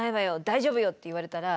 大丈夫よ」って言われたら。